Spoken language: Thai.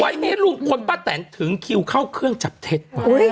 เห้ยวันนี้ลุงค์ค้นป้าแทนทึงคิวเข้าเครื่องจับเท็จ